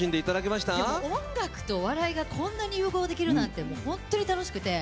音楽とお笑いがこんなに融合できるなんて本当に楽しくて。